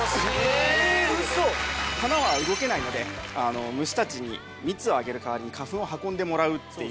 ウソ⁉花は動けないので虫たちに蜜をあげる代わりに花粉を運んでもらう。